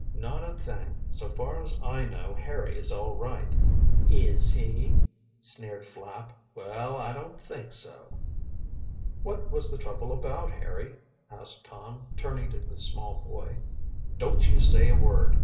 "Not a thing. So far as I know Harry is all right." "Is he?" sneered Flapp. "Well, I don't think so." "What was the trouble about, Harry?" asked Tom, turning to the small boy. "Don't you say a word!"